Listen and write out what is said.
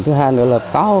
thứ hai nữa là có